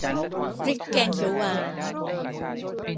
พริกแกงเขียวหวาน